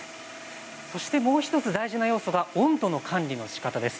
そしてもう１つ大事な要素が温度の管理のしかたです。